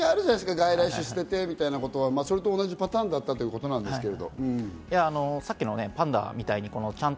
外来種を捨ててみたいなことは、すると同じパターンだったってことなんだけど。